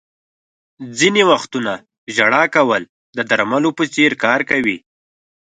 • ځینې وختونه ژړا کول د درملو په څېر کار کوي.